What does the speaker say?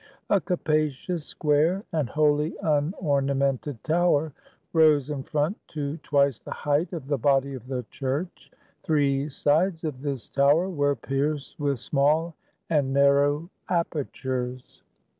A capacious, square, and wholly unornamented tower rose in front to twice the height of the body of the church; three sides of this tower were pierced with small and narrow apertures.